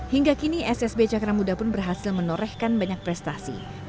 hingga kini ssb cakra muda pun berhasil menorehkan banyak prestasi